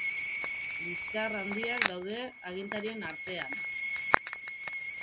Liskar handiak daude agintarien artean.